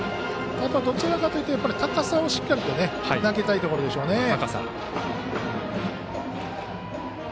どちらかというと高さをしっかりと投げたいところでしょうね。